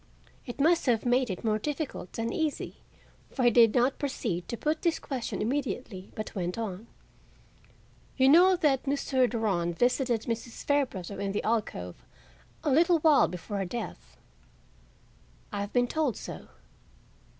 It must have made it more difficult than easy, for he did not proceed to put this question immediately, but went on: "You know that Mr. Durand visited Mrs. Fairbrother in the alcove a little while before her death?" "I have been told so."